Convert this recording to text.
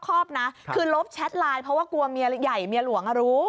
ก็กลัวให้เยี่ยมียหลวงรู้